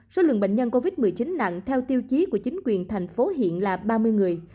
số lượng bệnh nhân covid một mươi chín nặng theo tiêu chí của chính quyền thành phố hiện là ba mươi người